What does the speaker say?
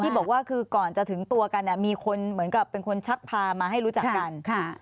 บอกว่าคือก่อนจะถึงตัวกันเนี่ยมีคนเหมือนกับเป็นคนชักพามาให้รู้จักกัน